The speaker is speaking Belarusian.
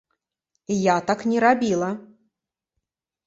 Я так не рабіла.